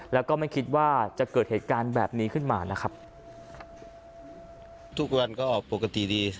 แล้วก็ไม่คิดว่าจะเกิดเหตุการณ์แบบนี้ขึ้นมานะครับทุกวันก็ปกติดี